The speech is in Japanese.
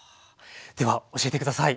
では教えて下さい。